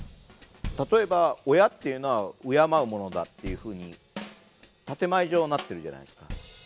例えば親っていうのは敬うものだっていうふうに建て前上はなってるじゃないですか。